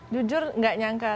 jujur tidak menyangka